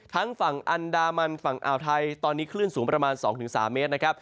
ทั้งฝั่งอันดามันฝั่งอาวไทยตอนนี้คลื่นสูงประมาณ๒๓เมตร